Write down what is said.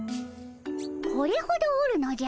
これほどおるのじゃ。